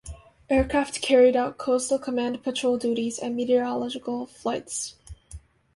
Aircraft carried out Coastal Command patrol duties and meteorological flights.